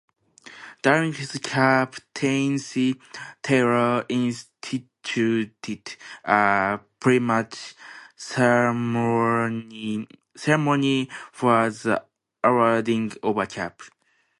During his captaincy Taylor instituted a pre-match ceremony for the awarding of a cap.